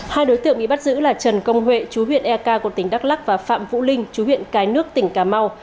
hai đối tượng bị bắt giữ là trần công huệ chú huyện eka của tỉnh đắk lắc và phạm vũ linh chú huyện cái nước tỉnh cà mau